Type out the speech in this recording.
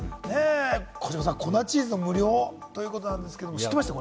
児嶋さん、粉チーズ無料ということなんですが、知ってました？